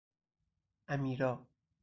امیرا